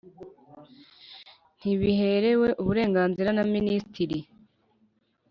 Ntibiherewe uburenganzira na Minisitiri .